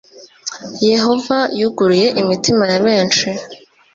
Yehova yuguruye imitima ya benshi.